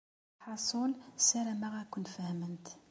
Lḥaṣul, ssarameɣ ad ken-fehment.